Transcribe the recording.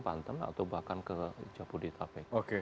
banten atau bahkan ke jabodetabek